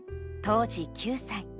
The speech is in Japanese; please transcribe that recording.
当時９歳。